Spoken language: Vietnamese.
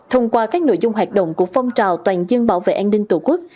thông qua các nội dung hoạt động của phong trào toàn dân bảo vệ an ninh tổ quốc